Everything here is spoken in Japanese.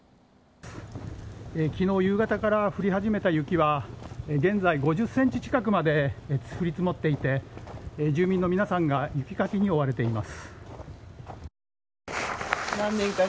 昨日夕方から降り始めた雪は現在５０ｃｍ近くまで降り積もっていて住民の皆さんが雪かきに追われています。